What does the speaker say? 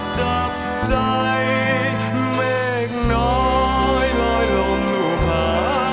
จับใจเมฆน้อยลอยลมอยู่ผา